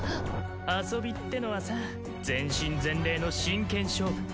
遊びってのはさ全身全霊の真剣勝負。